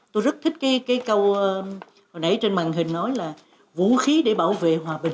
tôi rất thích cái câu hồi nãy trên màn hình nói là vũ khí để bảo vệ hòa bình